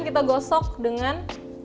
kita gosok dengan